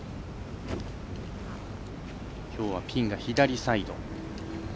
きょうはピンが左サイド。